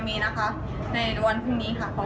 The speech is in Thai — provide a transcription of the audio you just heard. วันนี้ก็อย่าลืมให้กำลังใจเมย์อีกวันนะคะ